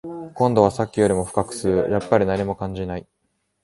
今度はさっきよりも深く吸う、やっぱり何も感じない